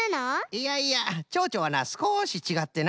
いやいやチョウチョはなすこしちがってな